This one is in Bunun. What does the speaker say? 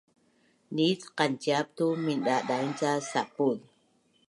nit qanciap tu mindadaing ca sapuz